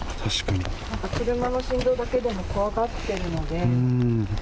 なんか車の振動だけでも怖がってるので。